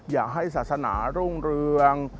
อย่าให้ศาสนารุ่งเรือง